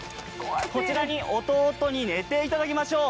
こちらに弟に寝ていただきましょう。